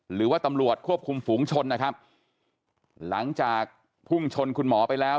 หรือว่าตำรวจควบคุมฝูงชนนะครับหลังจากพุ่งชนคุณหมอไปแล้ว